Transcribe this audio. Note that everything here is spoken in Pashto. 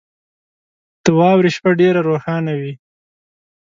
• د واورې شپه ډېره روښانه وي.